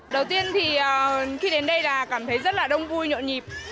đầu tiên thì khi đến đây là cảm thấy rất là đông vui nhộn nhịp